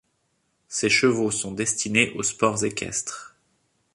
Ces chevaux sont destinés aux sports équestres.